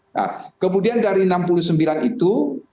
nah kemudian dari enam puluh sembilan itu